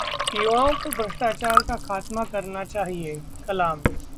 युवाओं को भ्रष्टाचार का खात्मा करना चाहिए: कलाम